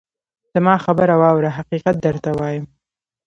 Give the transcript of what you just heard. زما خبره واوره ! حقیقت درته وایم.